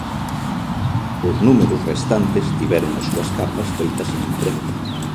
Os números restantes tiveron as súas capas feitas en imprenta.